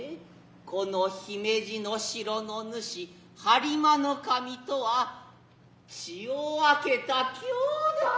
此の姫路の城の主播磨守とは血を分けた兄弟だよ。